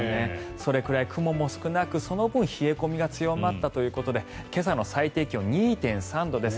それくらい雲も少なくその分冷え込みが強まったということで今朝の最低気温、２．３度です。